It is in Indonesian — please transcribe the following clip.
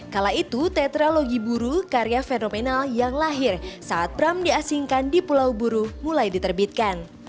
kala itu tetralogi buru karya fenomenal yang lahir saat pram diasingkan di pulau buru mulai diterbitkan